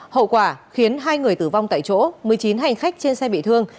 hậu quả khiến hai người tử vong tại chỗ một mươi chín hành khách trên xe bị thương